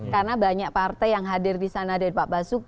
karena banyak partai yang hadir di sana dari pak basuki